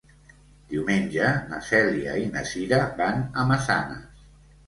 Diumenge na Cèlia i na Cira van a Massanes.